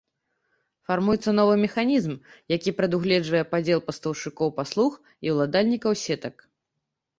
Фармуецца новы механізм, які прадугледжвае падзел пастаўшчыкоў паслуг і ўладальнікаў сетак.